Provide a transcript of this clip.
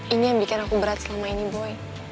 ini yang bikin aku berat selama ini boy